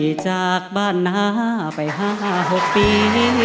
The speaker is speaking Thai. พี่จากบ้านหน้าไปห้าหกปี